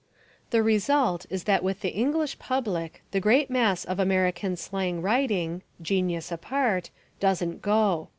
The result is that with the English public the great mass of American slang writing (genius apart) doesn't go.